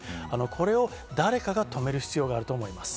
これを誰かが止める必要があると思います。